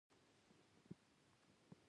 زه د خپل ځان څخه راضي یم.